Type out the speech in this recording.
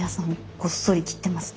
ごっそり切ってますね。